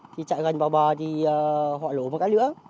thì chạy gần vào bờ thì họ lổ một cái nữa